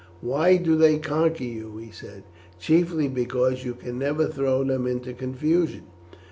"Why do they conquer you?" he said. "Chiefly because you can never throw them into confusion.